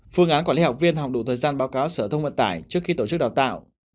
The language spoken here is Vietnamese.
phương án quản lý học viên học đủ thời gian báo cáo sở thông vận tải trước khi tổ chức đào tạo